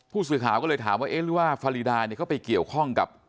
ผู้สื่อข่าวก็เลยถามว่าเอ๊ะหรือว่าฟารีดาเนี่ยเขาไปเกี่ยวข้องกับ